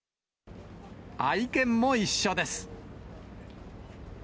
愛犬も一緒です。